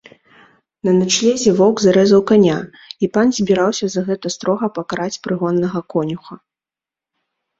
На начлезе воўк зарэзаў каня, і пан збіраўся за гэта строга пакараць прыгоннага конюха.